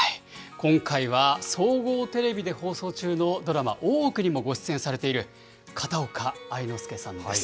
今回は総合テレビで放送中のドラマ、大奥にもご出演されている片岡愛之助さんです。